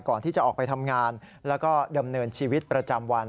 ก่อนที่จะออกไปทำงานแล้วก็ดำเนินชีวิตประจำวัน